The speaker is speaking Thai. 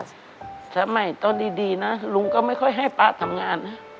สมัยตอนดีนะลุงก็ไม่ค่อยให้ป๊าทำงานนะ